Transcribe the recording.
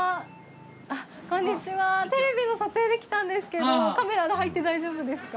あっこんにちはテレビの撮影で来たんですけどカメラが入って大丈夫ですか？